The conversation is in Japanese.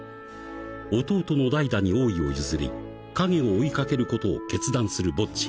［弟のダイダに王位を譲りカゲを追い掛けることを決断するボッジ］